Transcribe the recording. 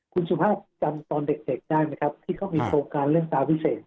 คุณสุภาพจำตอนเด็กได้ไหมครับที่เขามีโครงการเรื่องตาพิเศษ